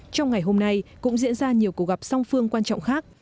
trong ngày hôm nay cũng diễn ra nhiều cuộc gặp song phương quan trọng khác